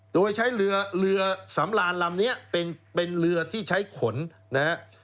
โดยใช้เรือเรือสำรานลำนี้เป็นเรือที่ใช้ขนนะครับ